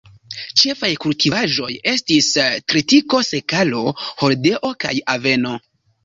Ĉefaj kultivaĵoj estis tritiko, sekalo, hordeo kaj aveno.